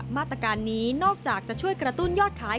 มาตรการนี้นอกจากจะช่วยกระตุ้นยอดขาย